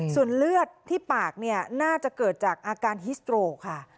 ส่วนเลือดที่ปากเนี่ยน่าจะเกิดจากอาการฮิสโตรค่ะ